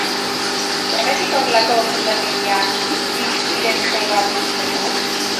Zergatik horrelako krudelkeria disidente bat hiltzeko?